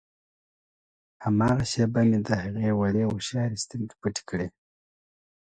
هماغه شېبه مې د هغه وړې هوښیارې سترګې پټې کړې.